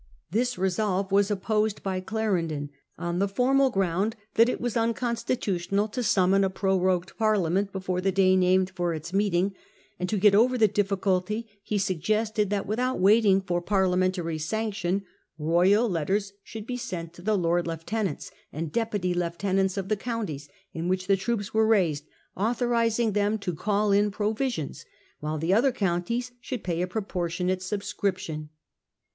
This resolve was opposed by Clarendon on the formal ground that it was unconstitutional to summon a prorogued Parliament before the day named for its meeting ; and to get over the difficulty he suggested that without waiting for Parliamentary sanction royal letters should be sent to the Lord lieutenants and deputy lieutenants of the counties in which the troops were raised, authorising them to call in provisions, while the other counties should pay a proportionate subscription.